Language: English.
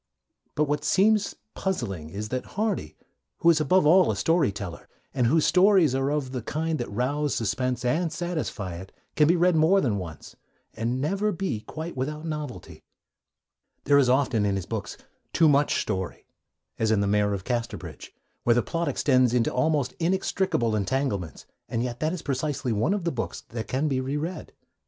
But what seems puzzling is that Hardy, who is above all a story teller, and whose stories are of the kind that rouse suspense and satisfy it, can be read more than once, and never be quite without novelty. There is often, in his books, too much story, as in The Mayor of Casterbridge, where the plot extends into almost inextricable entanglements; and yet that is precisely one of the books that can be re read.